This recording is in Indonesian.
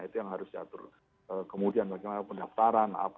itu yang harus diatur kemudian bagaimana pendaftaran